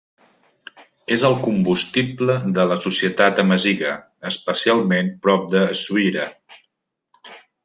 És el combustible de la societat amaziga, especialment a prop d'Essaouira.